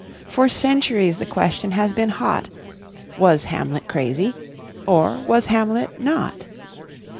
For centuries the question has been hot: Was Hamlet crazy, or was Hamlet not?